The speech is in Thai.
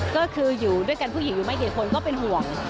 ก็คืออยู่ด้วยกันผู้หญิงอยู่ไม่กี่คนก็เป็นห่วง